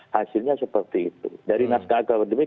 hasilnya seperti itu dari naskah akademik